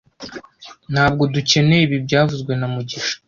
Ntabwo dukeneye ibi byavuzwe na mugisha